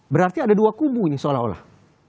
berarti ada dua kubu ini seolah olah